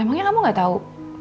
emangnya kamu gak tau